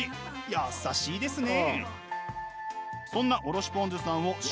優しいですね。